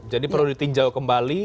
jadi perlu ditinjau kembali